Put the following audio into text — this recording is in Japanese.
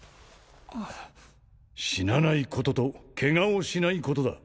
死なないこととケガをしないことだ